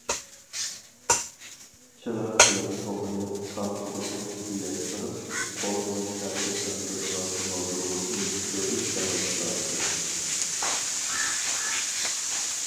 چىغرىق بىلەن توپىنى كان قۇدۇقى ئۈستىگە چىقىرىپ، قول بىلەن ھەرىكەتلەندۈرىدىغان شامالدۇرغۇچنى چۆرۈپ شامال چىقىراتتى.